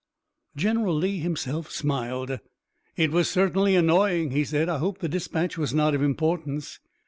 General Lee himself smiled. "It was certainly annoying," he said. "I hope the dispatch was not of importance."